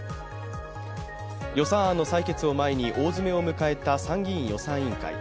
予算案の採決を前に大詰めを迎えた参議院予算委員会。